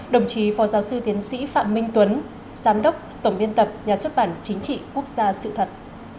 đồng chí phó giáo sư tiến sĩ phạm minh tuấn giám đốc tổng biên tập nhà xuất bản chính trị quốc gia sự thật